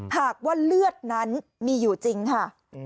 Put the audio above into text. หากว่าเลือดนั้นมีอยู่จริงค่ะ